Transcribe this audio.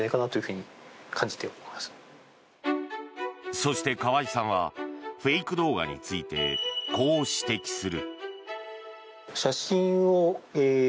そして、河合さんはフェイク動画についてこう指摘する。